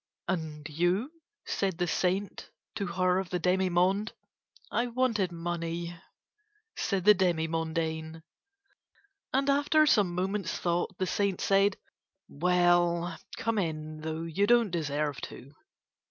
"And you?" said the Saint to her of the demi monde. "I wanted money," said the demi mondaine. And after some moments' thought the Saint said: "Well, come in; though you don't deserve to."